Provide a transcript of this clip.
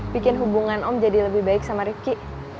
bikin hubungan om jadi lebih baik sama ricky